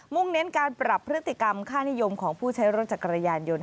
่งเน้นการปรับพฤติกรรมค่านิยมของผู้ใช้รถจักรยานยนต์